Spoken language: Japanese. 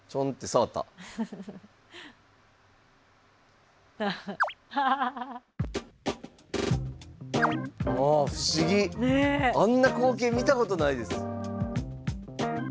うわ不思議あんな光景見たことないです。